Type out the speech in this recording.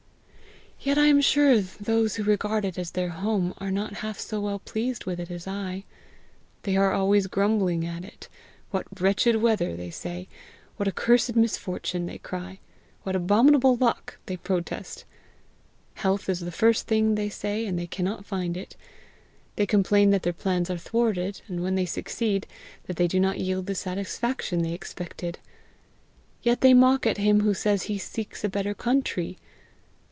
Yet I am sure those who regard it as their home, are not half so well pleased with it as I. They are always grumbling at it. 'What wretched weather!' they say. 'What a cursed misfortune!' they cry. 'What abominable luck!' they protest. Health is the first thing, they say, and cannot find it. They complain that their plans are thwarted, and when they succeed, that they do not yield the satisfaction they expected. Yet they mock at him who says he seeks a better country!